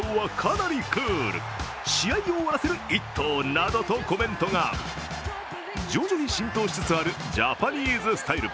これにＳＮＳでは徐々に浸透しつつあるジャパニーズスタイル。